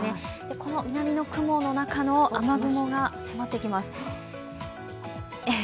この南の雲の中の雨雲が迫ってきます。